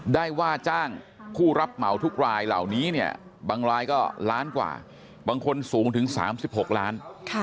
ได้ว่าจ้างผู้รับเหมาทุกรายเหล่านี้เนี่ยบางรายก็ล้านกว่าบางคนสูงถึง๓๖ล้าน